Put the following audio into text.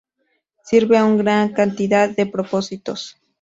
Sirven a una gran cantidad de propósitos.